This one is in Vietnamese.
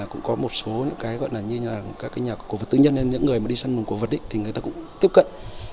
việc cũng có một số những cái gọi là như là các nhà cổ vật tư nhân những người mà đi săn mùng cổ vật thì người ta cũng tiếp cận